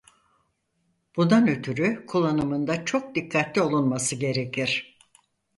Bundan ötürü kullanımında çok dikkatli olunması gerekir.